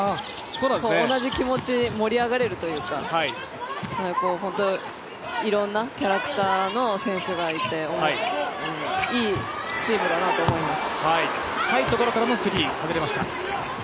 同じ気持ち、盛り上がれるというか、本当にいろんなキャラクターの選手がいていいチームだなと思います。